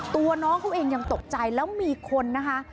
ตัวน้องเขาเองยังตกใจแล้วมีคนนะคะ